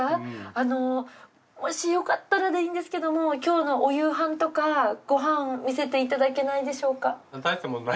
あのもしよかったらでいいんですけれども今日のお夕飯とかご飯見せていただけないでしょうか？